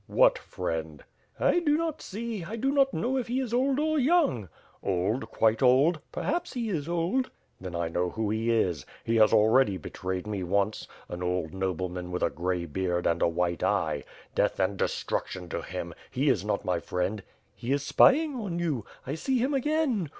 "What friend/' "I do not see. I do not know if he is old or young/' "Old; quite oldr "Perhaps he is old/' "Then I know who he is. He has already betrayed me once; an old nobleman with a grey beard and a white eye. Death and destruction to him! He is not my friend." "He is spying on you. I see him again.